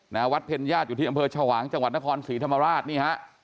วัดเพ็ญญาติอยู่ที่อำเภอชวางจังหวัดนครศรีธรรมราชนี่ฮะ